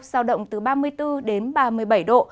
giao động từ ba mươi bốn đến ba mươi bảy độ